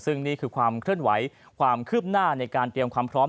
ซึ่งนี่คือความเคลื่อนไหวความคืบหน้าในการเตรียมความพร้อม